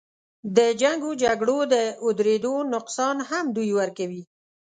د جنګ و جګړو د اودرېدو نقصان هم دوی ورکوي.